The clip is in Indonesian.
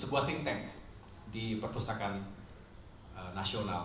sebuah think tank di perpustakaan nasional